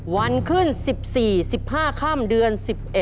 วันขึ้น๑๔๑๕ค่ำเดือน๑๑